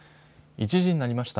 １時になりました。